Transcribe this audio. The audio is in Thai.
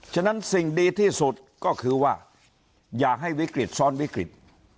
ฉะนั้นสิ่งดีที่สุดก็คือว่าอย่าให้วิกฤตซ้อนวิกฤต